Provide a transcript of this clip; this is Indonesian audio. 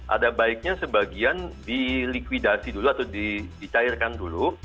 ada baiknya sebagian di likuidasi dulu atau dicairkan dulu